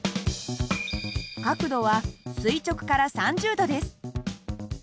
角度は垂直から３０度です。